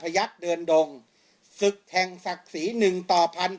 ยักษ์เดินดงศึกแห่งศักดิ์ศรีหนึ่งต่อพัน